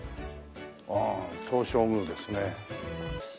ああ東照宮ですね。